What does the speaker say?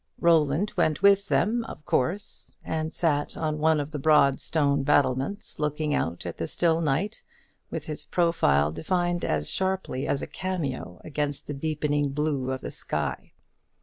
Roland went with them, of course, and sat on one of the broad stone battlements looking out at the still night, with his profile defined as sharply as a cameo against the deepening blue of the sky.